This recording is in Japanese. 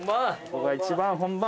ここが一番本番。